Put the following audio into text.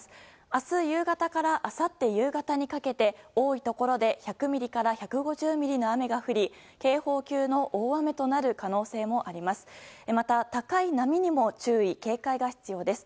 明日夕方からあさって夕方にかけて多いところで１００ミリから１５０ミリの雨が降り警報級の大雨となる可能性もあります。